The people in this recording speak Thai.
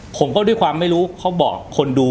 ผมก็ด้วยความไม่รู้เขาบอกคนดู